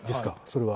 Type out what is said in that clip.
それは。